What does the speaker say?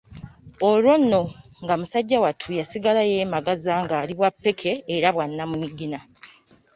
Olwo nno nga musajja wattu yasigala nga yeemagaza ng'ali bwa ppeke era bwa nnamunigina.